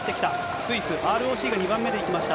スイス、ＲＯＣが２番目でいきました。